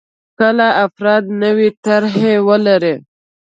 کله افراد نوې طرحې ولري.